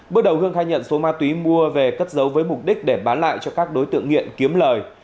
bước đầu hương khai nhận số ma túy mua về cất giấu với mục đích để bán lại cho các đối tượng nghiện kiếm lời